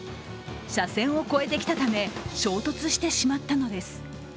車線を越えてきたため、衝突してしまったのです。